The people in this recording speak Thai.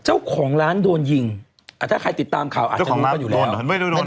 เจ้าของร้านโดนยิงถ้าใครติดตามข่าวอาจจะรู้กันอยู่แล้ว